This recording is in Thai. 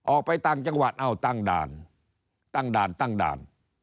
ออกไปต่างจังหวัดเอาตั้งด่านตั้งด่านตั้งด่าน